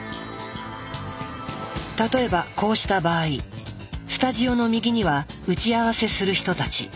例えばこうした場合スタジオの右には打ち合わせする人たち。